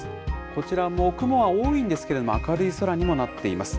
こちらも雲は多いんですけれども、明るい空にもなっています。